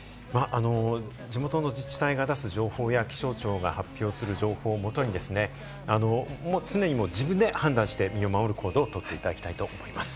地元の自治体が出す情報や気象庁が発表する情報をもとに常に自分で判断して身を守る行動をとっていただきたいと思います。